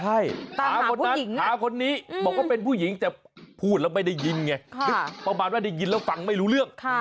ใช่ตาคนนั้นตาคนนี้บอกว่าเป็นผู้หญิงแต่พูดแล้วไม่ได้ยินไงนึกประมาณว่าได้ยินแล้วฟังไม่รู้เรื่อง